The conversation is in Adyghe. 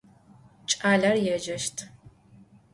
Ç'aler yêceşt.